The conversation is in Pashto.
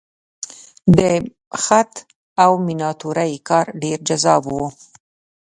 د خط او میناتورۍ کار ډېر جذاب و.